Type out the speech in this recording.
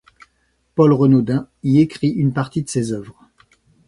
Paul Renaudin y écrit une partie de ses œuvres.